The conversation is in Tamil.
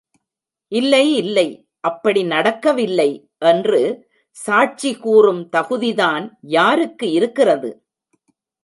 இல்லை, இல்லை அப்படி நடக்கவில்லை என்று சாட்சி கூறும் தகுதிதான் யாருக்கு இருக்கிறது?